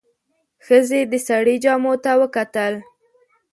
ښځې د سړي جامو ته وکتل.